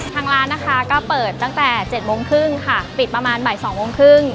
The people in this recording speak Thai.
ทางร้านนะคะก็เปิดตั้งแต่๗โมงครึ่งค่ะปิดประมาณบ่าย๒โมงครึ่ง